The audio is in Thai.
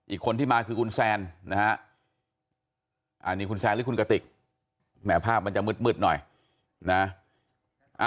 อีกคนที่มาคือคุณแซนนะฮะ